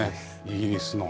イギリスの。